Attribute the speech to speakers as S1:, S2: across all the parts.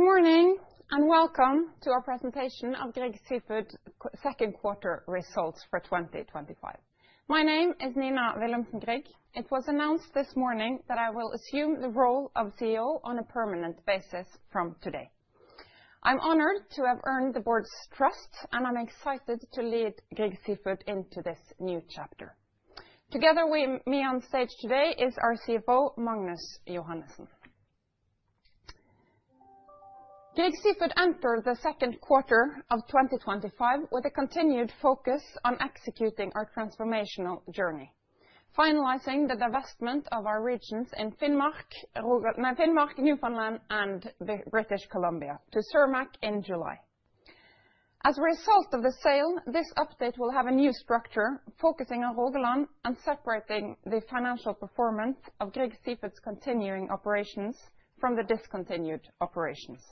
S1: Good morning and welcome to our presentation of Grieg Seafood's second quarter results for 2025. My name is Nina Willumsen Grieg. It was announced this morning that I will assume the role of CEO on a permanent basis from today. I'm honored to have earned the board's trust, and I'm excited to lead Grieg Seafood into this new chapter. Together with me on stage today is our CFO, Magnus Johannesen. Grieg Seafood entered the second quarter of 2025 with a continued focus on executing our transformational journey, finalizing the divestment of our regions in Finnmark, Newfoundland, and British Columbia to Cermaq in July. As a result of the sale, this update will have a new structure focusing on Rogaland and separating the financial performance of Grieg Seafood's continuing operations from the discontinued operations.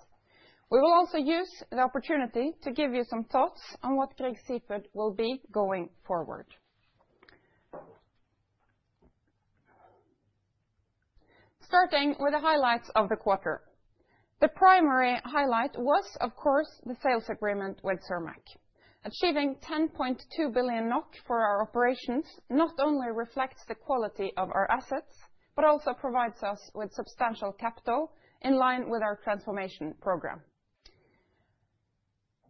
S1: We will also use the opportunity to give you some thoughts on what Grieg Seafood will be going forward. Starting with the highlights of the quarter, the primary highlight was, of course, the sales agreement with Cermaq. Achieving 10.2 billion NOK for our operations not only reflects the quality of our assets, but also provides us with substantial capital in line with our transformation program.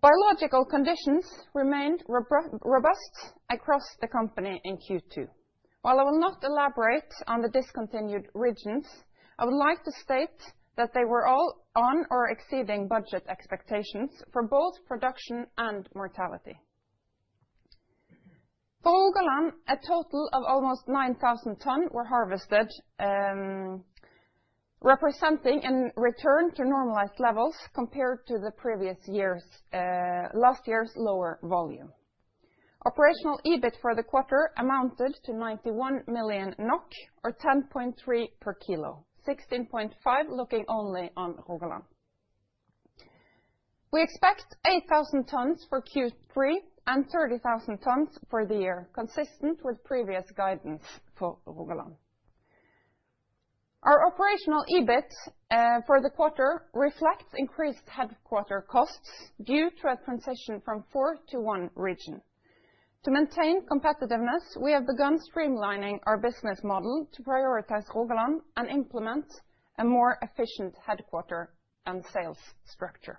S1: Biological conditions remained robust across the company in Q2. While I will not elaborate on the discontinued regions, I would like to state that they were all on or exceeding budget expectations for both production and mortality. For Rogaland, a total of almost 9,000 t were harvested, representing a return to normalized levels compared to the previous year's lower volume. Operational EBIT for the quarter amounted to 91 million NOK or 10.3 per kilo, 16.5 per kilo looking only on Rogaland. We expect 8,000 t for Q3 and 30,000 t for the year, consistent with previous guidance for Rogaland. Our operational EBIT for the quarter reflects increased headquarter cost due to a transition from four to one region. To maintain competitiveness, we have begun streamlining our business model to prioritize Rogaland and implement a more efficient headquarter and sales structure.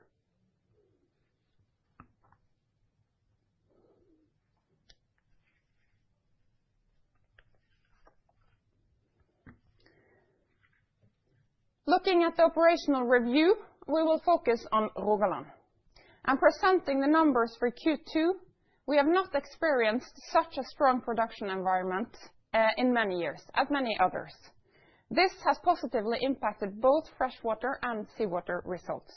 S1: Looking at the operational review, we will focus on Rogaland. I'm presenting the numbers for Q2. We have not experienced such a strong production environment in many years at many others. This has positively impacted both freshwater and seawater results.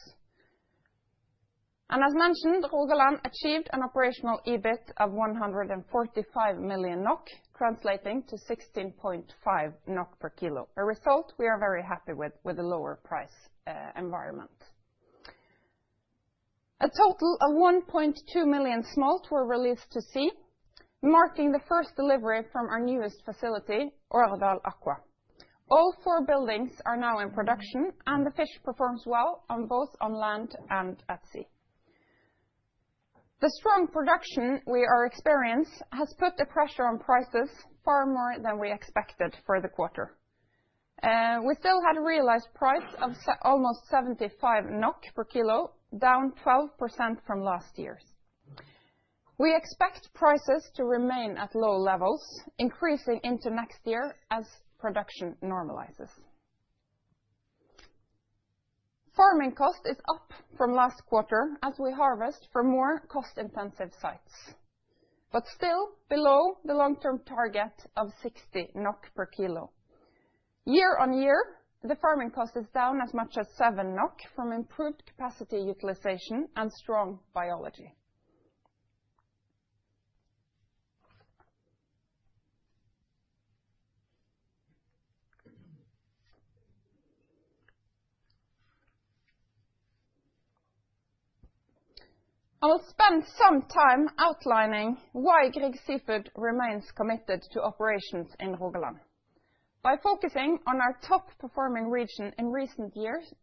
S1: As mentioned, Rogaland achieved an operational EBIT of 145 million NOK, translating to 16.5 NOK per kilo, a result we are very happy with in a lower price environment. A total of 1.2 million smolts were released to sea, marking the first delivery from our newest facility, Årdal Aqua. All four buildings are now in production, and the fish perform well both on land and at sea. The strong production we are experiencing has put pressure on prices far more than we expected for the quarter. We still had a realized price of almost 75 NOK per kilo, down 12% from last year's. We expect prices to remain at low levels, increasing into next year as production normalizes. Farming cost is up from last quarter as we harvest from more cost-intensive sites, but still below the long-term target of 60 NOK per kilo. Year on year, the farming cost is down as much as 7 NOK from improved capacity utilization and strong biology. I'll spend some time outlining why Grieg Seafood remains committed to operations in Rogaland. By focusing on our top-performing region in recent years,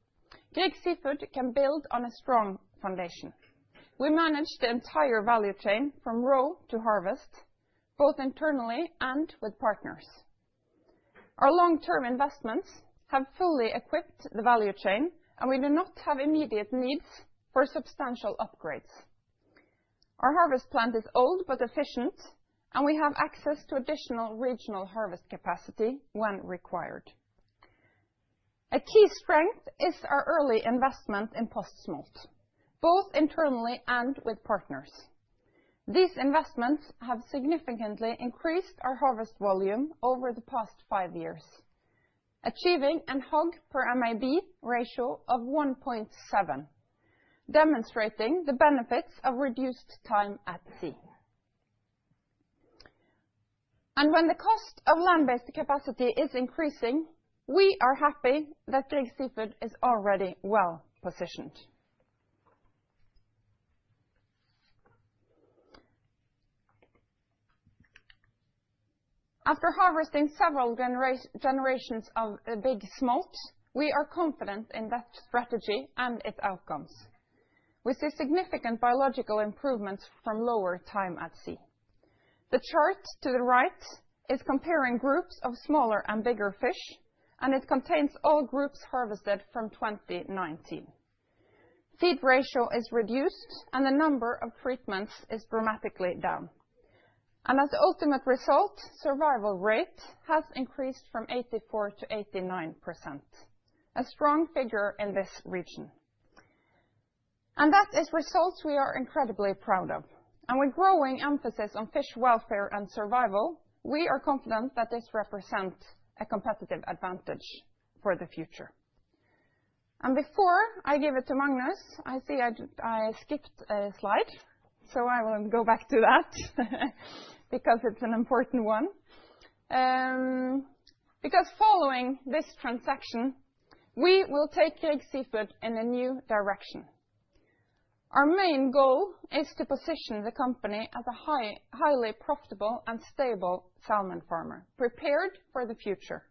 S1: Grieg Seafood can build on a strong foundation. We manage the entire value chain from row to harvest, both internally and with partners. Our long-term investments have fully equipped the value chain, and we do not have immediate needs for substantial upgrades. Our harvest plant is old but efficient, and we have access to additional regional harvest capacity when required. A key strength is our early investment in post-smolt, both internally and with partners. These investments have significantly increased our harvest volume over the past five years, achieving a HOG per MAB ratio of 1.7, demonstrating the benefits of reduced time at sea. When the cost of land-based capacity is increasing, we are happy that Grieg Seafood is already well positioned. After harvesting several generations of big smolts, we are confident in that strategy and its outcomes. We see significant biological improvements from lower time at sea. The chart to the right is comparing groups of smaller and bigger fish, and it contains all groups harvested from 2019. Feed ratio is reduced, and the number of treatments is dramatically down. As the ultimate result, survival rate has increased from 84%-89%, a strong figure in this region. That is a result we are incredibly proud of. With growing emphasis on fish welfare and survival, we are confident that this represents a competitive advantage for the future. Before I give it to Magnus, I see I skipped a slide, so I will go back to that because it's an important one. Following this transaction, we will take Grieg Seafood in a new direction. Our main goal is to position the company as a highly profitable and stable salmon farmer, prepared for the future.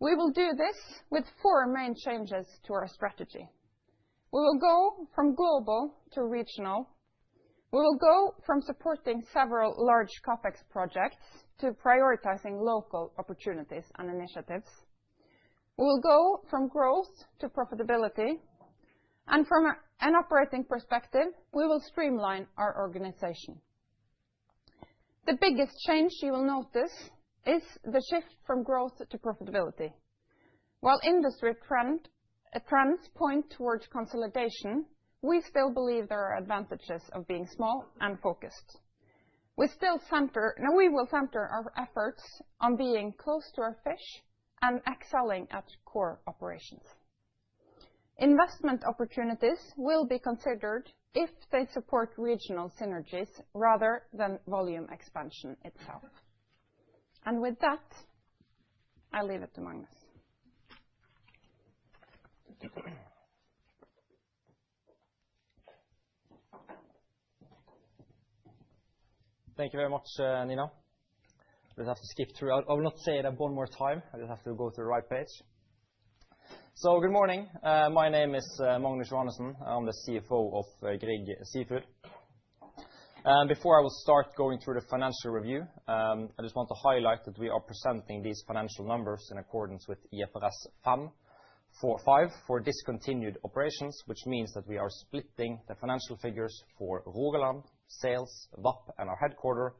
S1: We will do this with four main changes to our strategy. We will go from global to regional. We will go from supporting several large CapEx projects to prioritizing local opportunities and initiatives. We will go from growth to profitability. From an operating perspective, we will streamline our organization. The biggest change you will notice is the shift from growth to profitability. While industry trends point towards consolidation, we still believe there are advantages of being small and focused. We will center our efforts on being close to our fish and excelling at core operations. Investment opportunities will be considered if they support regional synergies rather than volume expansion itself. With that, I'll leave it to Magnus.
S2: Thank you very much, Nina. I will not say that one more time. I just have to go to the right page. Good morning. My name is Magnus Johannesen. I'm the CFO of Grieg Seafood. Before I start going through the financial review, I just want to highlight that we are presenting these financial numbers in accordance with IFRS 5.45 for discontinued operations, which means that we are splitting the financial figures for Rogaland, sales, VAP, and our headquarter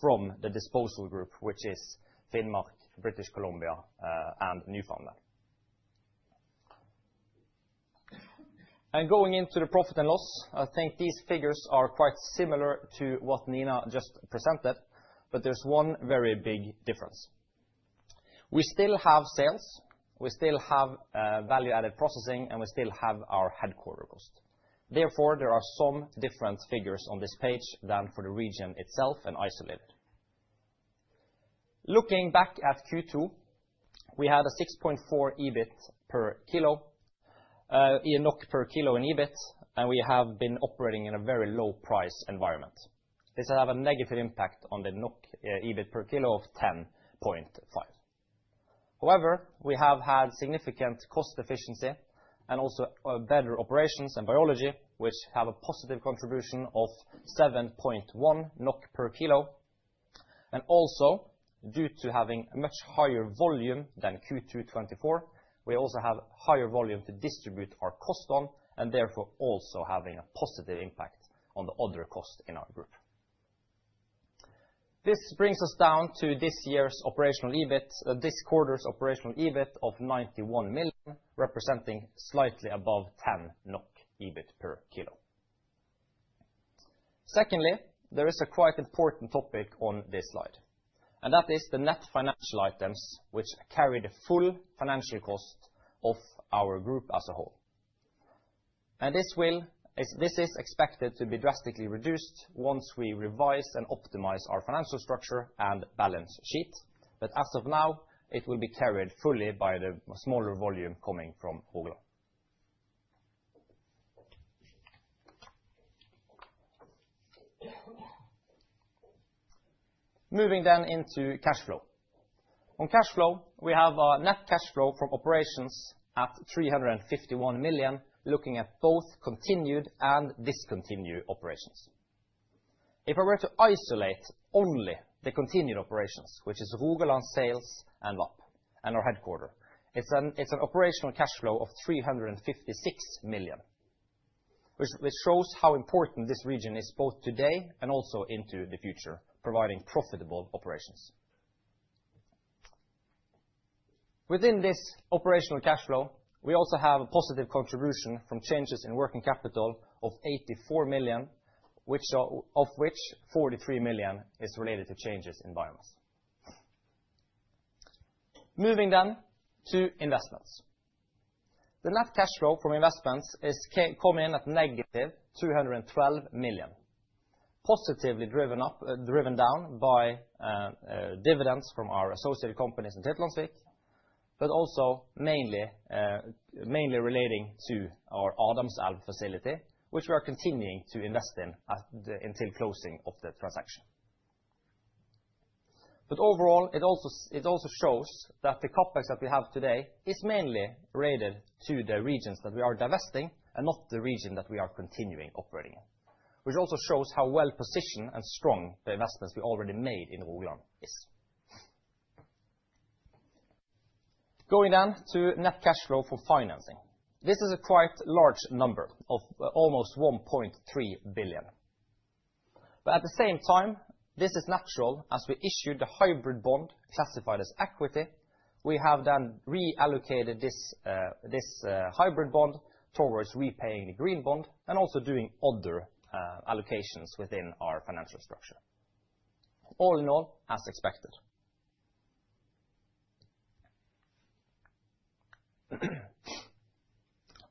S2: from the disposal group, which is Finnmark, British Columbia, and Newfoundland. Going into the profit and loss, I think these figures are quite similar to what Nina just presented, but there's one very big difference. We still have sales, we still have value-added processing, and we still have our headquarters. Therefore, there are some different figures on this page than for the region itself and isolated. Looking back at Q2, we had a NOK 6.4 per kilo in EBIT, and we have been operating in a very low-price environment. This has had a negative impact on the EBIT per kilo of 10.5. However, we have had significant cost efficiency and also better operations and biology, which have a positive contribution of 7.1 NOK per kilo. Also, due to having a much higher volume than Q2 2024, we also have a higher volume to distribute our cost on, therefore also having a positive impact on the other cost in our group. This brings us down to this year's operational EBIT, this quarter's operational EBIT of 91 million, representing slightly above 10 NOK EBIT per kilo. Secondly, there is a quite important topic on this slide, and that is the net financial items, which carry the full financial cost of our group as a whole. This is expected to be drastically reduced once we revise and optimize our financial structure and balance sheet. As of now, it will be carried fully by the smaller volume coming from Rogaland. Moving into cash flow, we have a net cash flow from operations at 351 million, looking at both continued and discontinued operations. If I were to isolate only the continued operations, which is Rogaland sales and VAP and our headquarter, it's an operational cash flow of 356 million, which shows how important this region is both today and also into the future, providing profitable operations. Within this operational cash flow, we also have a positive contribution from changes in working capital of 84 million, of which 43 million is related to changes in biomass. Moving then to investments. The net cash flow from investments is coming in at -212 million, positively driven down by dividends from our associated companies in Tytlandsvik, but also mainly relating to our Adamselv facility, which we are continuing to invest in until closing of the transaction. Overall, it also shows that the CapEx that we have today is mainly related to the regions that we are divesting and not the region that we are continuing operating in, which also shows how well positioned and strong the investments we already made in Rogaland is. Going then to net cash flow for financing. This is a quite large number of almost 1.3 billion. At the same time, this is natural as we issued the hybrid bond classified as equity. We have then reallocated this hybrid bond towards repaying the green bond and also doing other allocations within our financial structure. All in all, as expected.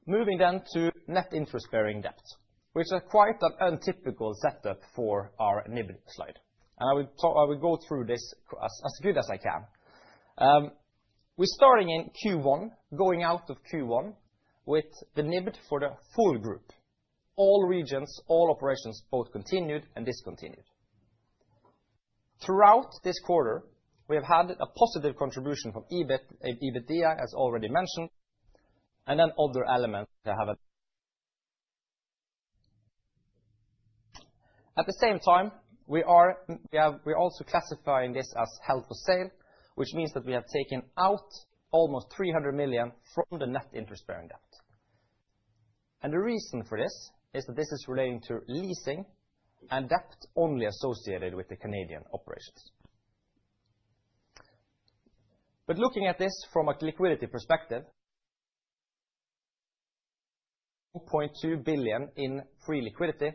S2: Moving then to net interest-bearing debt, which is quite an untypical setup for our NIBD slide. I will go through this as good as I can. We're starting in Q1, going out of Q1 with the NIBD for the full group, all regions, all operations, both continued and discontinued. Throughout this quarter, we have had a positive contribution from EBIT/EBITDA as already mentioned, and then other elements that have been. At the same time, we are also classifying this as held for sale, which means that we have taken out almost 300 million from the net interest-bearing debt. The reason for this is that this is relating to leasing and debt only associated with the Canadian operations. Looking at this from a liquidity perspective, 2.2 billion in free liquidity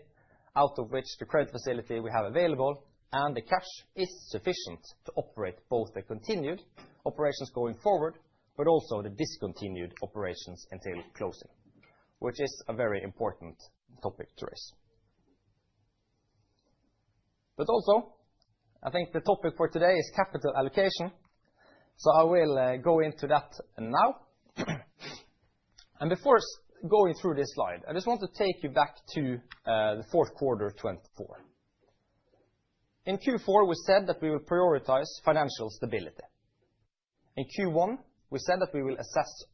S2: out of which the current facility we have available and the cash is sufficient to operate both the continued operations going forward and the discontinued operations until closing, which is a very important topic to raise. I think the topic for today is capital allocation. I will go into that now. Before going through this slide, I just want to take you back to the fourth quarter 2024. In Q4, we said that we would prioritize financial stability. In Q1, we said that we will assess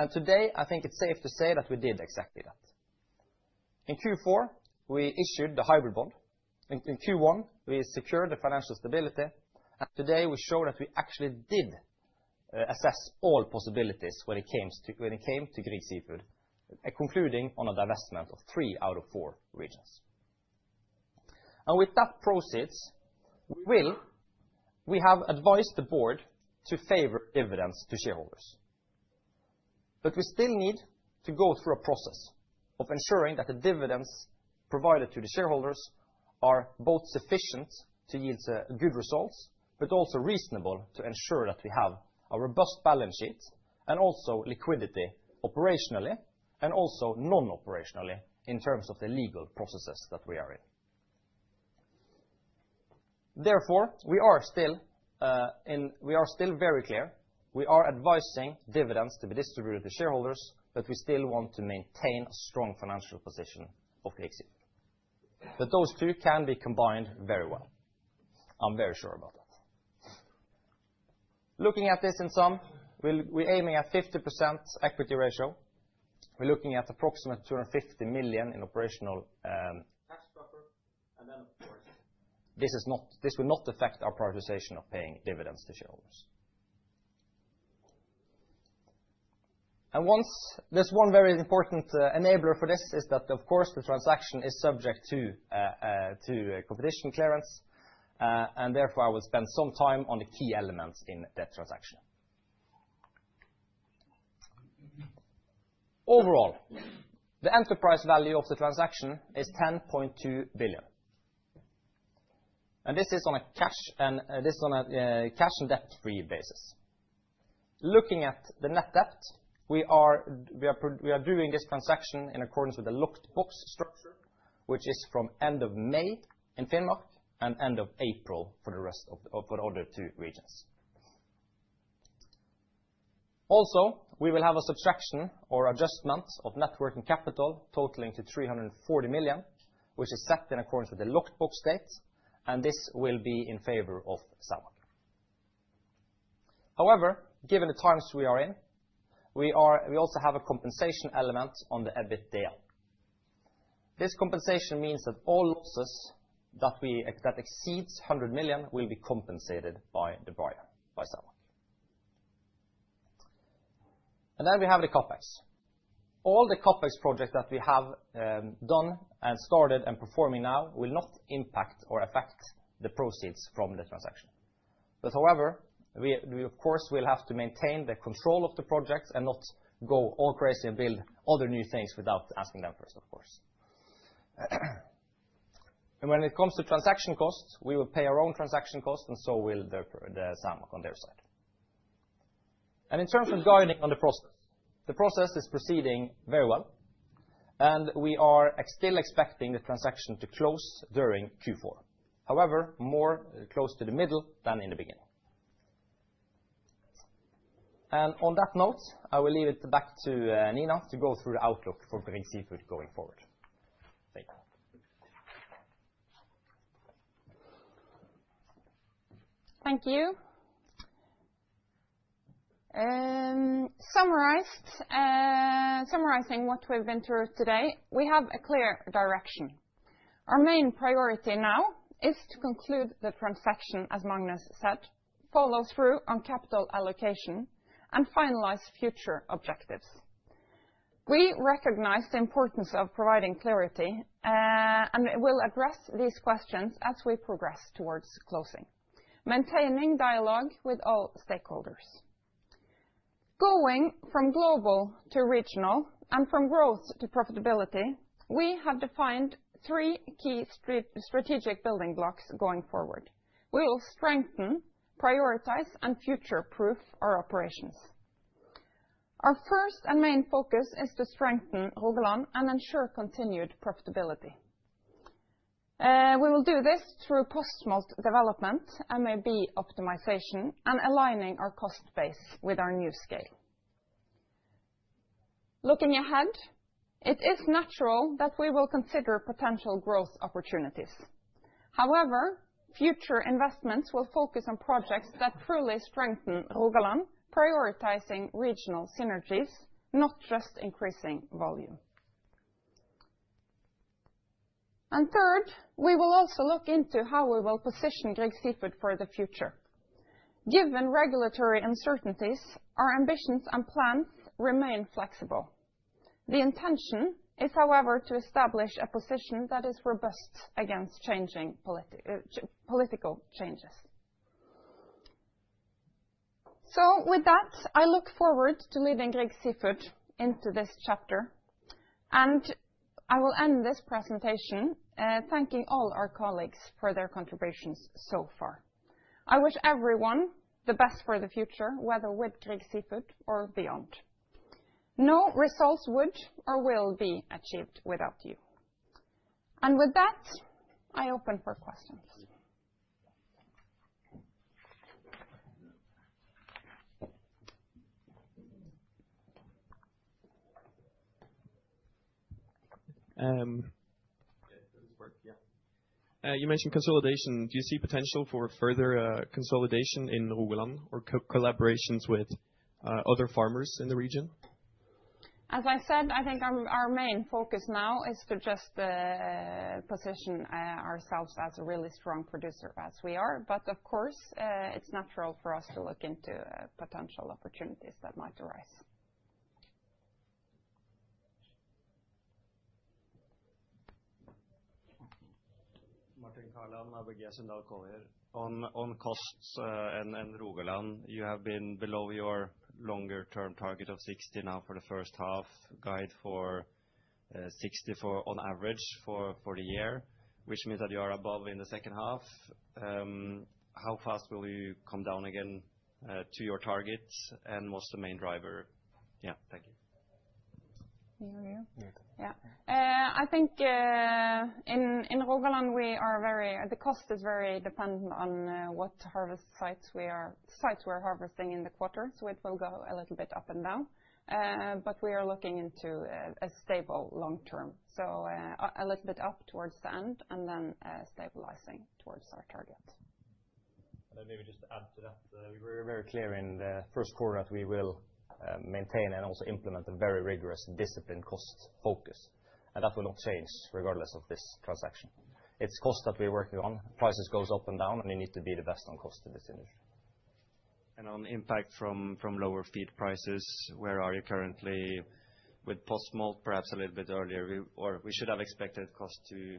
S2: all options that we have available for us. Today, I think it's safe to say that we did exactly that. In Q4, we issued the hybrid bond. In Q1, we secured the financial stability. Today, we show that we actually did assess all possibilities when it came to Grieg Seafood, concluding on a divestment of three out of four regions. With that proceeds, we have advised the board to favor dividends to shareholders. We still need to go through a process of ensuring that the dividends provided to the shareholders are both sufficient to yield good results, but also reasonable to ensure that we have a robust balance sheet and also liquidity operationally and also non-operationally in terms of the legal processes that we are in. Therefore, we are still very clear. We are advising dividends to be distributed to shareholders, but we still want to maintain a strong financial position of Grieg Seafood. Those two can be combined very well. I'm very sure about that. Looking at this in sum, we're aiming at 50% equity ratio. We're looking at approximately 250 million in operational cash flow. This will not affect our prioritization of paying dividends to shareholders. One very important enabler for this is that, of course, the transaction is subject to competition clearance. Therefore, I will spend some time on the key elements in that transaction. Overall, the enterprise value of the transaction is 10.2 billion. This is on a cash and debt-free basis. Looking at the net debt, we are doing this transaction in accordance with the locked box structure, which is from end of May in Finnmark and end of April for the rest of the other two regions. Also, we will have a subtraction or adjustment of net working capital totaling to 340 million, which is set in accordance with the locked box date, and this will be in favor of Cermaq. However, given the times we are in, we also have a compensation element on the EBITDA. This compensation means that all losses that exceed 100 million will be compensated by the buyer, by Cermaq. Then we have the CapEx. All the CapEx projects that we have done and started and performing now will not impact or affect the proceeds from the transaction. However, we, of course, will have to maintain the control of the projects and not go all crazy and build other new things without asking them first, of course. When it comes to transaction costs, we will pay our own transaction costs, and so will Cermaq on their side. In terms of guiding on the process, the process is proceeding very well. We are still expecting the transaction to close during Q4, more close to the middle than in the beginning. On that note, I will leave it back to Nina to go through the outlook for Grieg Seafood going forward.
S1: Thank you. Summarizing what we've been through today, we have a clear direction. Our main priority now is to conclude the transaction, as Magnus said, follow through on capital allocation, and finalize future objectives. We recognize the importance of providing clarity, and we'll address these questions as we progress towards closing, maintaining dialogue with all stakeholders. Going from global to regional and from growth to profitability, we have defined three key strategic building blocks going forward. We will strengthen, prioritize, and future-proof our operations. Our first and main focus is to strengthen Rogaland and ensure continued profitability. We will do this through post-smolt development, MAB optimization, and aligning our cost base with our new scale. Looking ahead, it is natural that we will consider potential growth opportunities. However, future investments will focus on projects that truly strengthen Rogaland, prioritizing regional synergies, not just increasing volume. Third, we will also look into how we will position Grieg Seafood for the future. Given regulatory uncertainties, our ambitions and plans remain flexible. The intention is, however, to establish a position that is robust against political changes. I look forward to leading Grieg Seafood into this chapter. I will end this presentation thanking all our colleagues for their contributions so far. I wish everyone the best for the future, whether with Grieg Seafood or beyond. No results would or will be achieved without you. With that, I open for questions. You mentioned consolidation. Do you see potential for further consolidation in Rogaland or collaborations with other farmers in the region? As I said, I think our main focus now is to just position ourselves as a really strong producer as we are. Of course, it's natural for us to look into potential opportunities that might arise.
S3: Martin Kaland, Sundal Collier. On costs in Rogaland, you have been below your longer-term target of 60 now for the first half, guide for 60 on average for the year, which means that you are above in the second half. How fast will you come down again to your targets? What's the main driver? Yeah, thank you.
S1: Me or you?
S2: You.
S1: Yeah, I think in Rogaland, the cost is very dependent on what harvest sites we are harvesting in the quarter. It will go a little bit up and down, but we are looking into a stable long term. A little bit up towards the end and then stabilizing towards our target.
S2: Maybe just to add to that, we were very clear in the first quarter that we will maintain and also implement a very rigorous and disciplined cost focus. That will not change regardless of this transaction. It's cost that we're working on. Prices go up and down, and you need to be the best on cost in this industry.
S3: On impact from lower feed prices, where are you currently with post-smolt, perhaps a little bit earlier? Or we should have expected cost to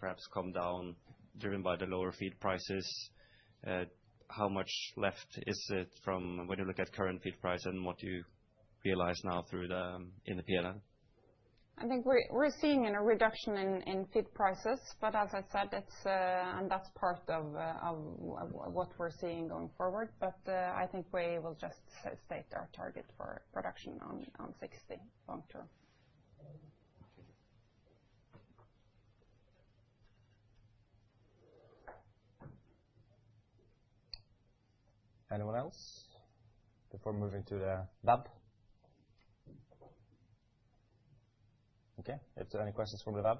S3: perhaps come down, driven by the lower feed prices. How much left is it from when you look at current feed price and what you realize now through the P&L?
S1: I think we're seeing a reduction in feed prices. As I said, that's part of what we're seeing going forward. I think we will just state our target for production on 60 long term.
S2: Anyone else before moving to the web? Okay, if there are any questions from the web.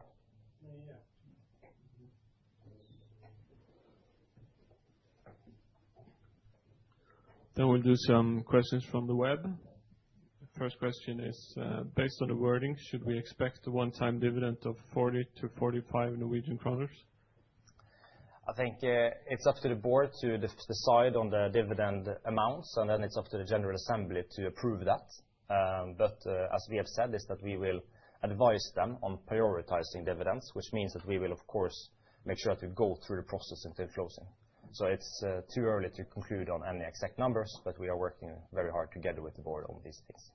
S4: I will do some questions from the web. The first question is, based on the wording, should we expect a one-time dividend of 40-45 Norwegian kroner?
S2: I think it's up to the board to decide on the dividend amounts, and then it's up to the General Assembly to approve that. As we have said, we will advise them on prioritizing dividends, which means that we will, of course, make sure that we go through the process until closing. It's too early to conclude on any exact numbers, but we are working very hard together with the board on these things.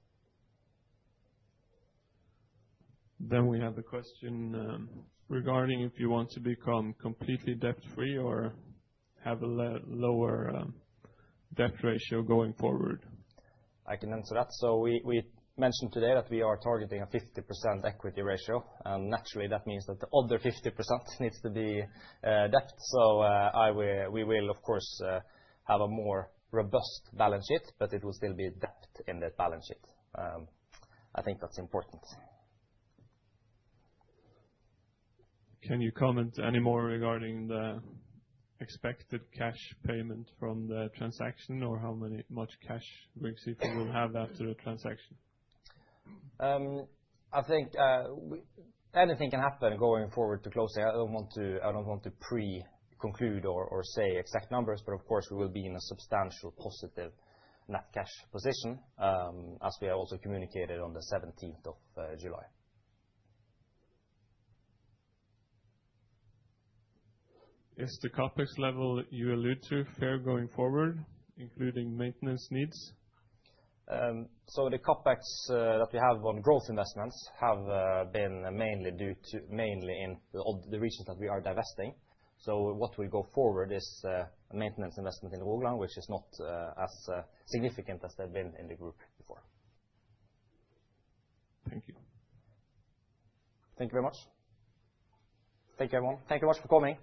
S4: We have a question regarding if you want to become completely debt-free or have a lower debt ratio going forward.
S2: I can answer that. We mentioned today that we are targeting a 50% equity ratio. Naturally, that means that the other 50% needs to be debt. We will, of course, have a more robust balance sheet, but there will still be debt in that balance sheet. I think that's important.
S4: Can you comment any more regarding the expected cash payment from the transaction or how much cash Grieg Seafood will have after the transaction?
S2: I think anything can happen going forward to closing. I don't want to pre-conclude or say exact numbers, but of course, we will be in a substantial positive net cash position as we have also communicated on the 17th of July.
S4: Is the CapEx level you allude to fair going forward, including maintenance needs?
S2: The CapEx that we have on growth investments have been mainly due to mainly in the regions that we are divesting. What we go forward is a maintenance investment in Rogaland, which is not as significant as they've been in the group before.
S4: Thank you.
S2: Thank you very much. Thank you, everyone. Thank you very much for coming.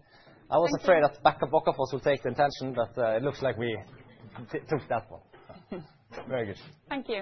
S2: I was afraid that [Bakkafrost] will take the attention, but it looks like we took that one. Very good.
S1: Thank you.